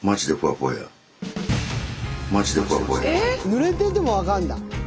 ぬれてても分かるんだ。